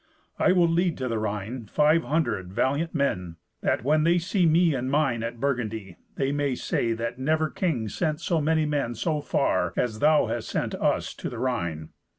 I will lead to the Rhine five hundred valiant men, that when they see me and mine at Burgundy, they may say that never king sent so many men so far as thou hast sent to us, to the Rhine.